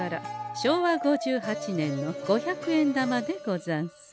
昭和５８年の五百円玉でござんす。